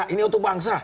ini untuk bangsa